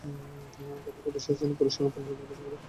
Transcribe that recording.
ধর্মঘটের শেষ দিনে পুলিশ পুনরায় গুলিবর্ষণ করে।